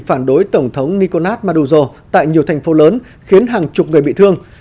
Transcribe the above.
phản đối tổng thống nicolás maduro tại nhiều thành phố lớn khiến hàng chục người bị thương